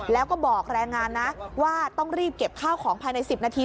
แล้วก็บอกแรงงานนะว่าต้องรีบเก็บข้าวของภายใน๑๐นาที